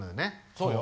そうよ。